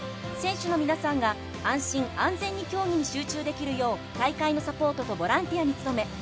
選手の皆さんが安心・安全に競技に集中できるよう大会のサポートとボランティアに努め